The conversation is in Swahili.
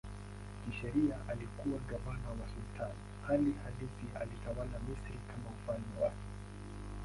Kisheria alikuwa gavana wa sultani, hali halisi alitawala Misri kama ufalme wake.